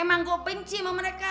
emang gue benci sama mereka